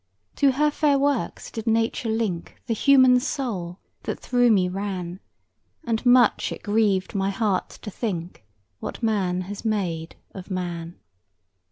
"To her fair works did Nature link The human soul that through me ran; And much it grieved my heart to think, What man has made of man."